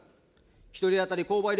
１人当たり購買力